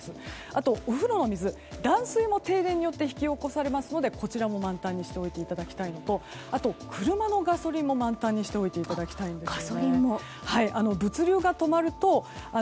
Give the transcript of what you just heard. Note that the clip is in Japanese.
あとお風呂の水断水も停電によって引き起こされますのでこちらも満タンにしておいていただきたいのと車のガソリンも満タンにしておいていただきたいんです。